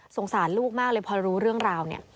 สารลูกมากเลยพอรู้เรื่องราวเนี่ย